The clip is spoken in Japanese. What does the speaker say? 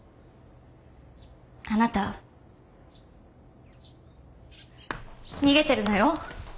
あなた逃げてるのよ。